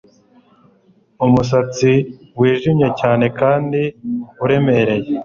Umusatsi wijimye cyane kandi uremereye